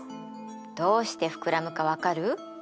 どうして膨らむか分かる？